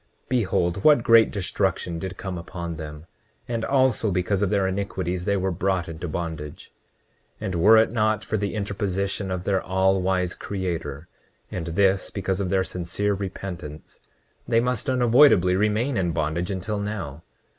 Behold what great destruction did come upon them; and also because of their iniquities they were brought into bondage. 29:19 And were it not for the interposition of their all wise Creator, and this because of their sincere repentance, they must unavoidably remain in bondage until now.